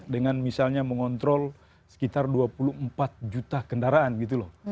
dengan misalnya mengontrol sekitar dua puluh empat juta kendaraan gitu loh